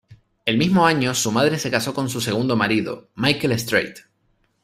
El mismo año, su madre se casó con su segundo marido, Michael Straight.